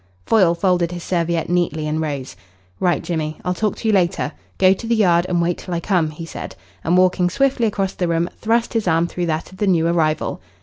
Foyle folded his serviette neatly and rose. "Right, Jimmy. I'll talk to you later. Go to the Yard and wait till I come," he said, and, walking swiftly across the room, thrust his arm through that of the new arrival.